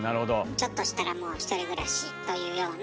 ちょっとしたらもう１人暮らしというような。